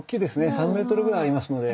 ３メートルぐらいありますので。